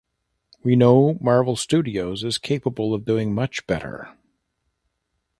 We know Marvel Studios is capable of doing much better.